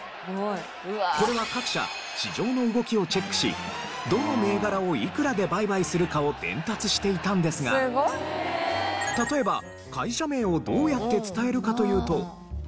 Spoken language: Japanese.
これは各社市場の動きをチェックしどの銘柄をいくらで売買するかを伝達していたんですが例えば会社名をどうやって伝えるかというと。